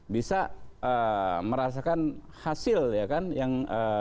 bisa merasakan hasil ya kan yang